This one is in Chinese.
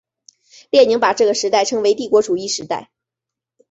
列宁把这个时代称为帝国主义时代。